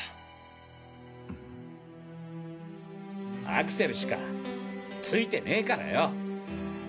アクセルしか付いてねえからよ！！